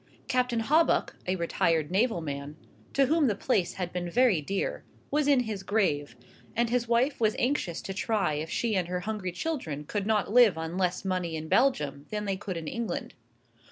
Captain Hawbuck, a retired naval man, to whom the place had been very dear, was in his grave, and his wife was anxious to try if she and her hungry children could not live on less money in Belgium than they could in England.